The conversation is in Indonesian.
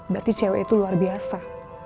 berarti cewek itu luar biasa